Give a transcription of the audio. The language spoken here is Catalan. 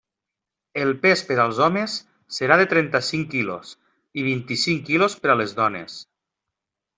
El pes per als homes serà de trenta-cinc quilos i vint-i-cinc quilos per a les dones.